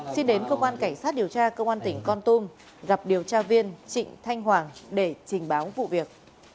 xin đến cơ quan cảnh sát điều tra công an tỉnh con tum gặp điều tra viên trịnh thanh hoàng để trình báo vụ việc